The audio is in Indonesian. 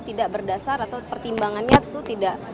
tidak berdasar atau pertimbangannya itu tidak berdasar